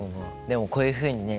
でもこういうふうにね